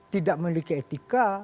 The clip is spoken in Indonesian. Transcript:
tidak memiliki etika